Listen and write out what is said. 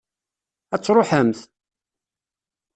Ad truḥemt?